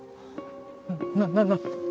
なっななな。